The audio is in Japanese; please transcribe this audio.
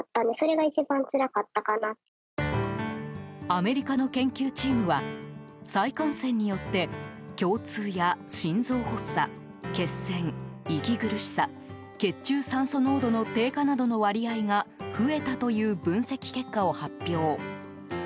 アメリカの研究チームは再感染によって胸痛や心臓発作、血栓、息苦しさ血中酸素濃度の低下などの割合が増えたという分析結果を発表。